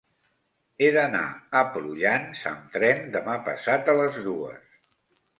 He d'anar a Prullans amb tren demà passat a les dues.